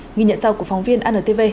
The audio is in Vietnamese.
nghi nhận sau của phóng viên anntv